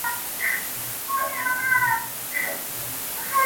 بيا به ساز بيا به نڅا بيا به نگار وو.!